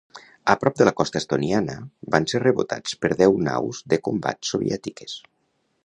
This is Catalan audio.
A prop de la costa estoniana, van ser rebotats per deu naus de combat soviètiques.